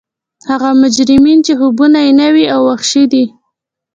هغه مجرمین چې خوبونه یې نوي او وحشي دي